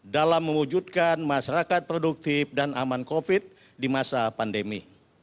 dalam mewujudkan masyarakat produktif dan aman covid di masa pandemi